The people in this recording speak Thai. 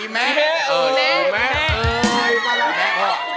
อีเม้เออเม้